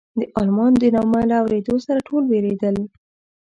د المان د نامه له اورېدو سره ټول وېرېدل.